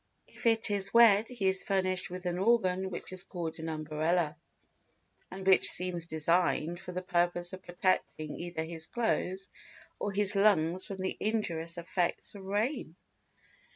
If it is wet he is furnished with an organ which is called an umbrella and which seems designed for the purpose of protecting either his clothes or his lungs from the injurious effects of rain.